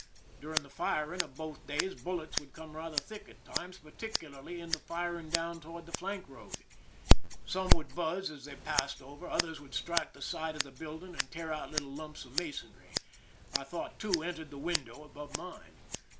During the firing of both days, bullets would come rather thick at times, particularly in the firing down toward the flank road. Some would buzz as they passed over; others would strike the side of the building and tear out little lumps of masonry; I thought two entered the window above mine.